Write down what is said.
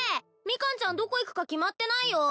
ミカンちゃんどこ行くか決まってないよ